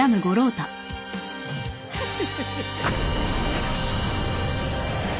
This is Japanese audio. フフフフ。